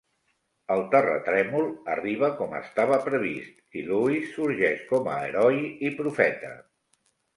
El terratrèmol arriba com estava previst, i Lewis sorgeix com a heroi i profeta.